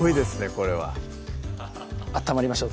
これは温まりましょう